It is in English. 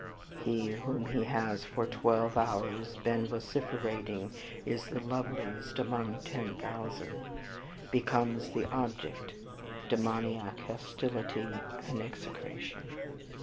"He, whom he has for twelve hours been vociferating 'is the loveliest among ten thousand,' becomes the object of demoniac hostility and execration.